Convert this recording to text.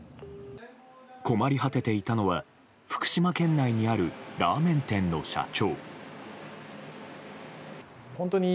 困り果てていたのは福島県内にあるラーメン店の社長。